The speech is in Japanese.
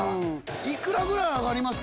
いくらぐらい上がりますか？